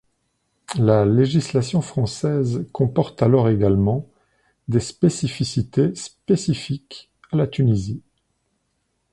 La législation française comporte alors également des spécificités spécifiques à la Tunisie.